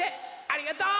ありがとう！